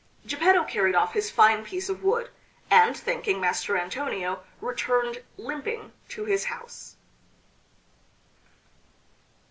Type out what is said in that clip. Geppetto carried off his fine piece of wood, and thanking Master Antonio returned limping to his house.